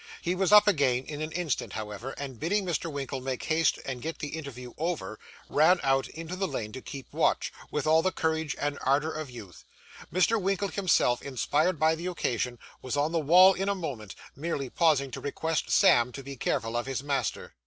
He was up again in an instant however; and bidding Mr. Winkle make haste and get the interview over, ran out into the lane to keep watch, with all the courage and ardour of youth. Mr. Winkle himself, inspired by the occasion, was on the wall in a moment, merely pausing to request Sam to be careful of his master.